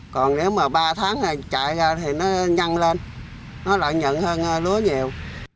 còn nếu mà ba tháng này chạy ra thì nó nhăn lên nó lại nhận hơn lúa nhiều